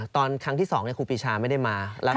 ตอนครั้งที่๒ครูปีชาไม่ได้มา